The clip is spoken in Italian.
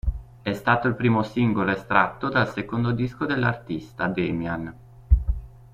È stato il primo singolo estratto dal secondo disco dell'artista, "Demian".